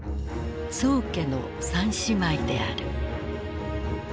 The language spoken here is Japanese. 「宋家の三姉妹」である。